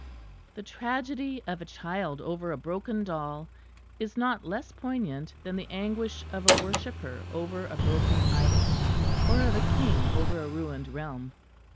The tragedy of a child over a broken doll is not less poignant than the anguish of a worshipper over a broken idol, or of a king over a ruined realm.